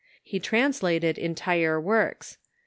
He translated entire works.